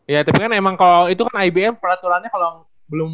ya tapi kan emang kalau itu kan ibm peraturannya kalau belum